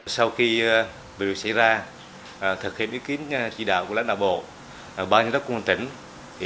sau khi việc xảy ra thực hiện ý kiến chỉ đạo của lãnh đạo bộ ban nhân đốc quân tỉnh